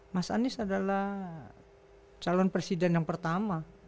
mas anies adalah calon presiden yang pertama